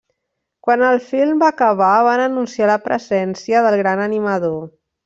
Quan el film va acabar, van anunciar la presència del gran animador.